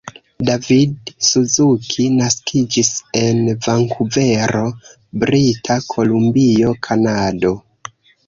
David Suzuki naskiĝis en Vankuvero, Brita Kolumbio, Kanado.